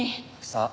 さあ？